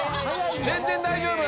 全然大丈夫。